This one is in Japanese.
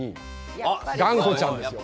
あっ「がんこちゃん」ですよ。